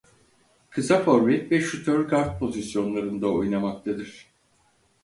Kısa forvet ve Şutör gard pozisyonlarında oynamaktadır.